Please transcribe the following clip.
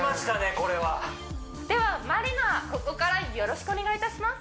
これはではまりなここからよろしくお願いいたします